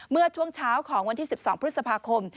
เมื่อช่วงเช้าของวันที่๑๒พฤษภาคม